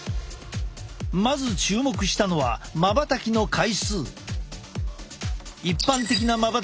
まず注目したのはまばたきの回数。